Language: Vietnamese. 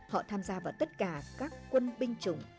họ tham gia vào tất cả các quân binh chủng